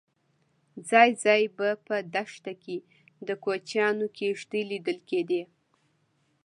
ځای ځای به په دښته کې د کوچیانو کېږدۍ لیدل کېدې.